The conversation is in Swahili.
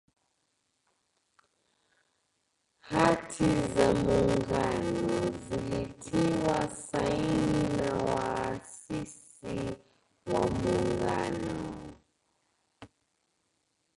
Hati za Muungano zilitiwa saini na waasisi wa Muungano